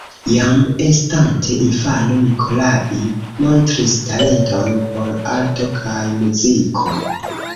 Jam estante infano Nikolai montris talenton por arto kaj muziko.